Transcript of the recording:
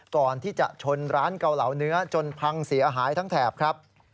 ก่อนที่จะชนร้านเกาเหลาเนื้อจนพังเสียหายทั้งแถบครับ